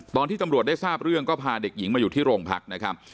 ตอนที่ตำรวจได้ทราบเรื่องก็พาเด็กหญิงมาอยู่ที่โรงพักนะครับ